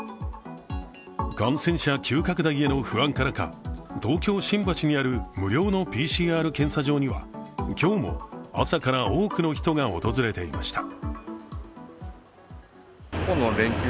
感染者急拡大への不安からか東京・新橋にある無料のＰＣＲ検査場には今日も朝から多くの人が訪れていました。